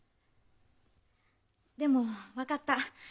でも分かった。